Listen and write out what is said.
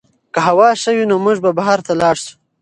که هوا ښه وي نو موږ به بهر ته لاړ شو.